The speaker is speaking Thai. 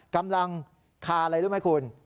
กำลังคาอะไรรู้ไหมคุณ